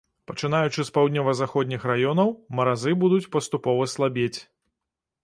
Пачынаючы з паўднёва-заходніх раёнаў, маразы будуць паступова слабець.